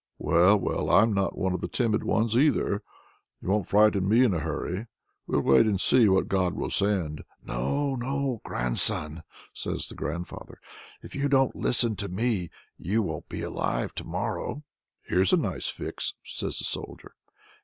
"Well, well! I'm not one of the timid ones, either! You won't frighten me in a hurry. We'll wait and see what God will send." "No, no, grandson!" says the grandfather. "If you don't listen to me, you won't be alive to morrow!" "Here's a nice fix!" says the Soldier.